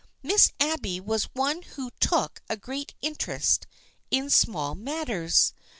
Miss Abby was one who took a great interest in small matters.